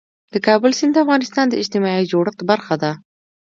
د کابل سیند د افغانستان د اجتماعي جوړښت برخه ده.